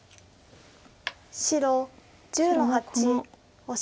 白１０の八オシ。